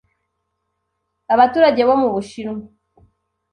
Abaturage bo mu Bushinwa